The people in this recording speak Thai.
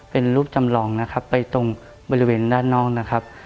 เป็นรูปจำลองนะครับไปตรงบริเวณด้านนอกนะครับ